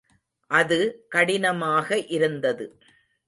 அது கடினமாக இருந்தது.